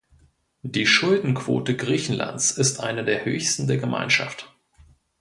Die Schuldenquote Griechenlands ist eine der höchsten der Gemeinschaft.